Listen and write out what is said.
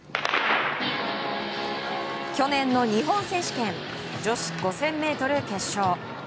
去年の日本選手権女子５０００ｍ決勝。